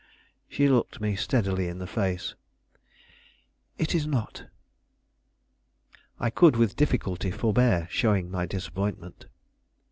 She looked me steadily in the face. "It is not." I could with difficulty forbear showing my disappointment.